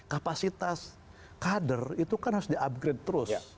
kapasitas kader itu kan harus di upgrade terus